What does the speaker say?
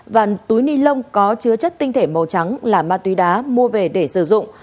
và túi ni lông có chứa chất tinh thể màu trắng là ma túy đá mua về để sử dụng